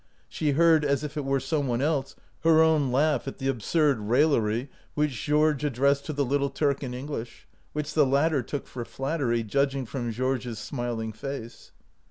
She heard, as if it were some one else, her own laugh at the absurd raillery which Georges 93 OUT OF BOHEMIA addressed to the little Turk in English, which the latter took for flattery, judging from Georges' smiling face.